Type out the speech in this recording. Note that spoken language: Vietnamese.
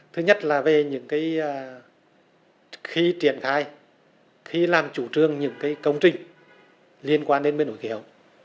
thứ nhất là về những cái khi triển khai khi làm chủ trương những cái công trình liên quan đến nội kỷ hợp